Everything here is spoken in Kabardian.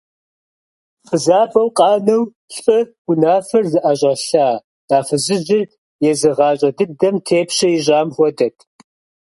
Фызабэу къанэу лӏы унафэр зыӏэщӏэлъа а фызыжьыр езы гъащӏэ дыдэм тепщэ ищӏам хуэдэт.